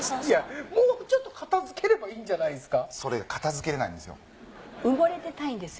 もうちょっと片付ければいいんじゃないですか？